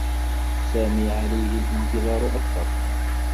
سامي عليه الانتظار أكثر.